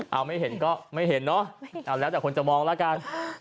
เอาไม่เห็นก็ไม่เห็นเนอะเอาแล้วแต่คนจะมองแล้วกัน